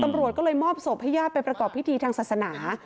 ตำรวจก็เลยมอบศพให้ญาติไปประกอบพิธีทางศาสนา